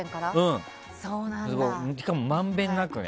しかもまんべんなくね。